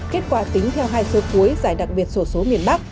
kết quả tính theo hai sơ cuối giải đặc biệt sổ số miền bắc